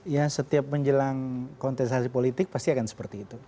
ya setiap menjelang kontestasi politik pasti akan seperti itu